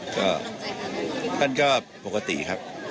ก็ท่านก็ปกติครับ